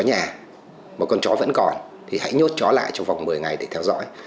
nếu bạn còn thì hãy nhốt chó lại trong vòng một mươi ngày để theo dõi